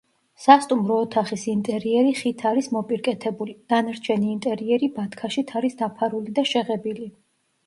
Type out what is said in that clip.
სასტუმრო ოთახის ინტერიერი ხით არის მოპირკეთებული; დანარჩენი ინტერიერი ბათქაშით არის დაფარული და შეღებილი.